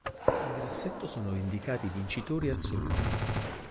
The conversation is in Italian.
In grassetto sono indicati i vincitori assoluti.